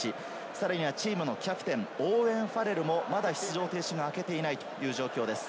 さらにはチームのキャプテン、オーウェン・ファレルもまだ出場停止が明けていないという状況です。